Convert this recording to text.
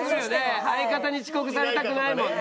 相方に遅刻されたくないもんね。